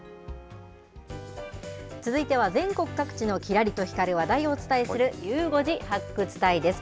続いては、全国各地のきらりと光る話題をお伝えする、ゆう５時発掘隊です。